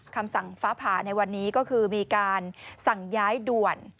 คำสั่งฟ้าผ่าในวันนี้ก็คือมีการสั่งย้ายด่วน